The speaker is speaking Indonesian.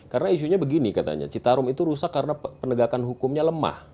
karena isunya begini katanya citarum itu rusak karena penegakan hukumnya lemah